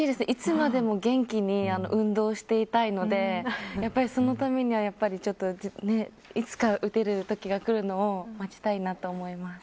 いつまでも元気に運動していたいのでそのためには、やっぱりいつか打てるときが来るのを待ちたいなと思います。